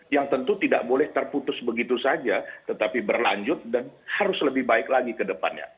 yang tentu tidak boleh terputus begitu saja tetapi berlanjut dan harus lebih baik lagi ke depannya